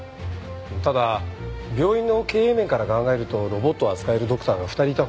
ただ病院の経営面から考えるとロボットを扱えるドクターが２人いたほうが。